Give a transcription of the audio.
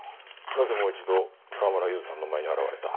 なぜもう一度川村ゆずさんの前に現れた？